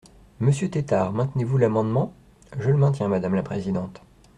Monsieur Tétart, maintenez-vous l’amendement ? Je le maintiens, madame la présidente.